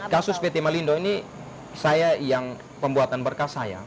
kasus pt malindo ini saya yang pembuatan berkas saya